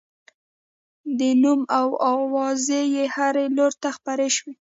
د نوم او اوازې یې هر لوري ته خپور شو.